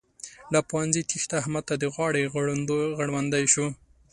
له پوهنځي تېښته؛ احمد ته د غاړې غړوندی شو.